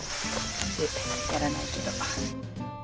やらないけど。